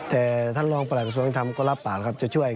แต่ท่านรองประหลักกระทรวงธรรมก็รับปากครับจะช่วย